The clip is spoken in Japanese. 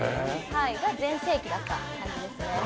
それが全盛期だった感じですね。